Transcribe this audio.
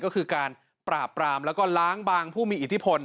ก็คือการปราบปรามแล้วก็ล้างบางผู้มีอิทธิพล